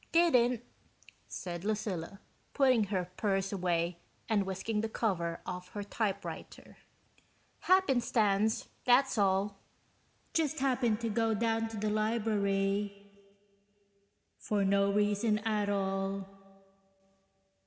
"Didn't," said Lucilla, putting her purse away and whisking the cover off her typewriter. "Happenstance, that's all." (Just happened to go down to the library ... for no reason at all